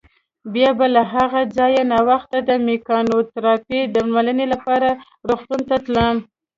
بیا به له هغه ځایه ناوخته د مېکانوتراپۍ درملنې لپاره روغتون ته تلم.